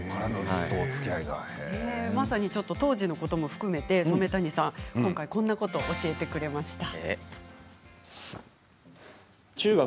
当時のことも含めて染谷さんはこんなことを教えてくれました。